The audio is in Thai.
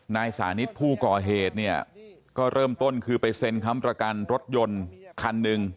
นายสานิทผู้ก่อเหตุเนี่ยก็เริ่มต้นคือไปเซ็นค้ำประกันรถยนต์คันหนึ่ง